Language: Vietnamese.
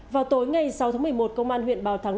vào tối ngày sáu tháng một mươi một công an huyện bào thắng